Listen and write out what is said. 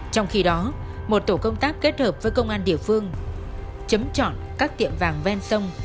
trong khi đó một tổ công tác kết hợp với công an địa phương chấm chọn các tiệm vàng ven sông